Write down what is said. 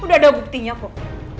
udah ada buktinya kok